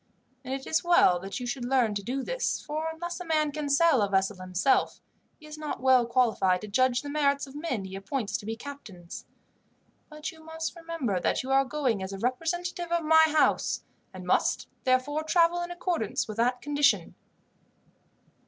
And it is well that you should learn to do this, for unless a man can sail a vessel himself, he is not well qualified to judge of the merits of men he appoints to be captains; but you must remember that you are going as a representative of my house, and must, therefore, travel in accordance with that condition.